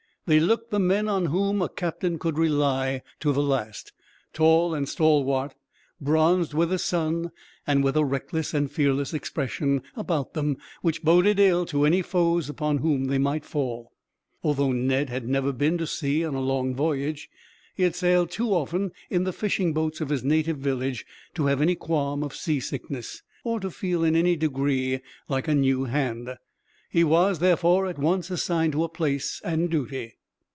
They looked the men on whom a captain could rely, to the last. Tall and stalwart, bronzed with the sun, and with a reckless and fearless expression about them, which boded ill to any foes upon whom they might fall. Although Ned had never been to sea on a long voyage, he had sailed too often in the fishing boats of his native village to have any qualm of seasickness, or to feel in any degree like a new hand. He was, therefore, at once assigned to a place and duty.